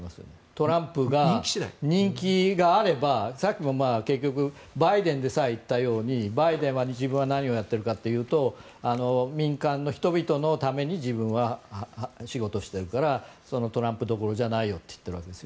トランプが人気があれば結局、バイデンでさえ言ったようにバイデンは自分が何をやっているかというと民間の人々のために自分は仕事をしているからトランプどころじゃないよと言っているわけです。